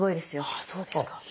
あっそうですか？